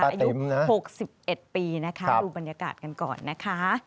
อายุ๖๑ปีนะคะดูบรรยากาศกันก่อนนะคะ